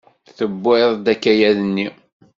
Tewwiḍ-d akayad-nni.